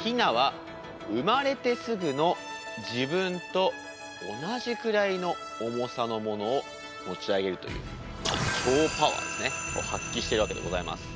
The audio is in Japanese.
ヒナは生まれてすぐの自分と同じくらいの重さのものを持ち上げるという発揮してるわけでございます。